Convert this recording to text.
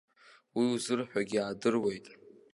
Уи узырҳәогьы аадыруеит.